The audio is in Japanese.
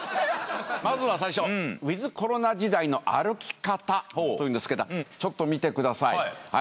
まずは最初ウィズコロナ時代の歩き方というんですけどちょっと見てください。